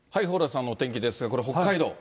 蓬莱さんのお天気ですが、これ、北海道。